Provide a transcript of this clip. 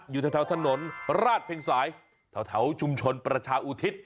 อยู่แถวถนนราชเพ็งสายแถวชุมชนประชาอุทิศ